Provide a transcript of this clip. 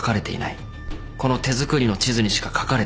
この手作りの地図にしか書かれていないんだ。